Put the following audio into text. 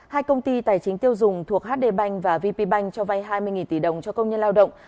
hai công ty tài chính tiêu dùng thuộc hd bank và vp bank cho vay hai mươi tỷ đồng cho công nhân lao động